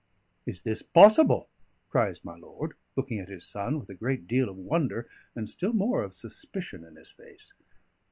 '" "Is this possible?" cries my lord, looking at his son, with a great deal of wonder, and still more of suspicion in his face.